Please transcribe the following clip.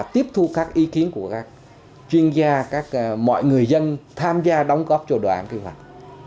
tham gia đóng góp cho đồ án kế hoạch